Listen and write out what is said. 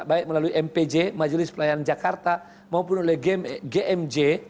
baik melalui mpj majelis pelayanan jakarta maupun oleh gmj